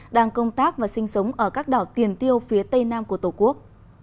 đang công tác và sinh sống ở các đảo tiền tiêu phía tây nam của tổ quốc